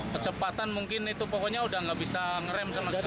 kecepatan mungkin itu pokoknya sudah tidak bisa merem sama sekali